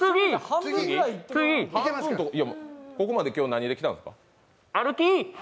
ここまで何で来たんですか？